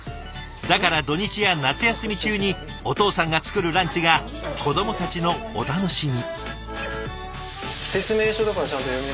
だから土日や夏休み中にお父さんが作るランチが子どもたちのお楽しみ。